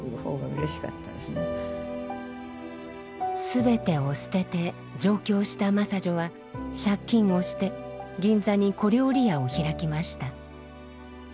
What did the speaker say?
全てを捨てて上京した真砂女は借金をして銀座に小料理屋を開きました。